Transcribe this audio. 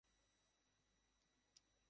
ফলে উহুদের যুদ্ধ সংঘটিত হল।